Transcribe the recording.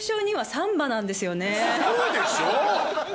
そうでしょ？